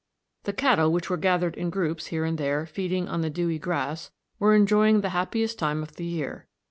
The cattle which were scattered in groups here and there feeding on the dewy grass were enjoying the happiest time of the year.